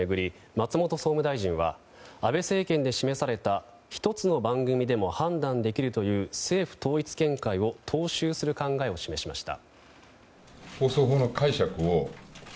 松本総務大臣は安倍政権で示された１つの番組でも判断できるという政府統一見解を踏襲する考えを示しました。